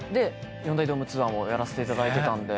４大ドームツアーもやらせていただいてたんで。